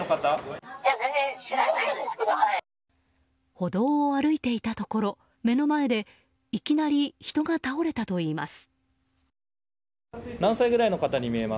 歩道を歩いていたところ目の前でいきなり人が倒れたといいます。